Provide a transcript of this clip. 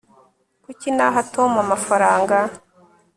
kuki naha tom amafaranga